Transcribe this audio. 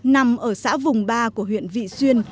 nằm ở xã vùng ba của huyện vị xuyên